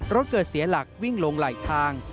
รถเกิดเสียหลักวิ่งลงไหลทาง